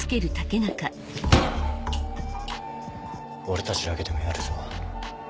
俺たちだけでもやるぞ。